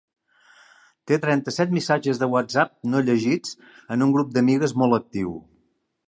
Té trenta-set missatges de whatsapp no llegits en un grup d'amigues molt actiu.